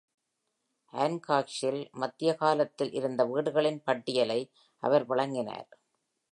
அன்ஹாக்ஸில் மத்திய காலத்தில் இருந்த வீடுகளின் பட்டியலை அவர் வழங்கினார்.